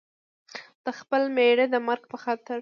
د خپل مېړه د مرګ په خاطر.